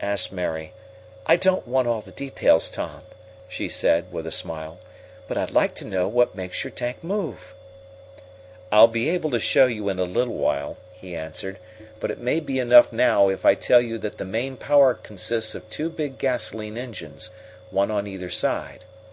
asked Mary. "I don't want all the details, Tom," she said, with a smile, "but I'd like to know what makes your tank move." "I'll be able to show you in a little while," he answered. "But it may be enough now if I tell you that the main power consists of two big gasolene engines, one on either side.